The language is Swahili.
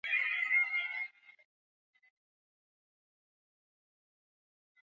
Viazi Ukubwa wa kati nne